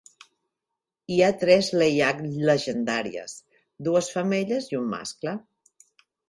Hi ha tres Leyak llegendàries, dues femelles i un mascle.